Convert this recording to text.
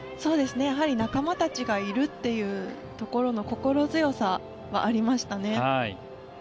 やはり仲間たちがいるというところの心強さはありましたね。